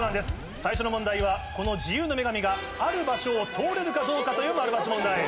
最初の問題はこの自由の女神がある場所を通れるかどうかという「○」「×」問題。